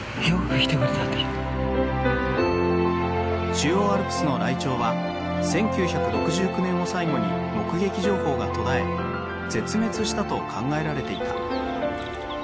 中央アルプスのライチョウは１９６９年を最後に目撃情報が途絶え絶滅したと考えられていた。